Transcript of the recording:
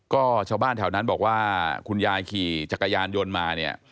ก็ชาวบ้านแถวนั้นบอกว่าคุณยายขี่จักรยานยนต์มาเนี่ย